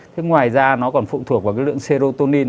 thế ngoài ra nó còn phụ thuộc vào cái lượng seounin